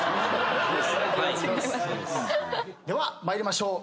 では参りましょう。